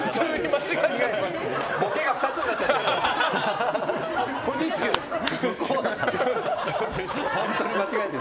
ボケが２つになっちゃってる。